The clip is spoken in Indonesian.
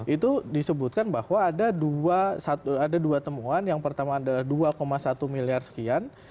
itu disebutkan bahwa ada dua temuan yang pertama adalah dua satu miliar sekian